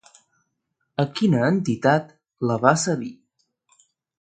A quina entitat la va cedir?